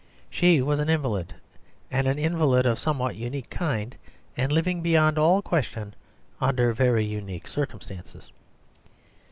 She was an invalid, and an invalid of a somewhat unique kind, and living beyond all question under very unique circumstances.